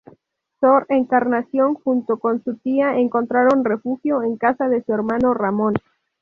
Sor Encarnación junto con su tía encontraron refugio en casa de su hermano, Ramón.